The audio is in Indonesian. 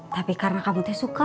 tapi karena kamu teh suka